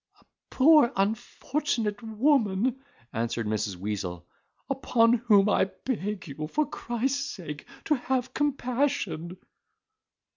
"A poor unfortunate woman," answered Mrs. Weazle, "upon whom I beg you, for Christ's sake, to have compassion."